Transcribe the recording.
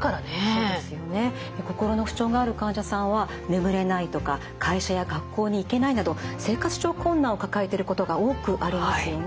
そうですよね心の不調がある患者さんは眠れないとか会社や学校に行けないなど生活上困難を抱えてることが多くありますよね。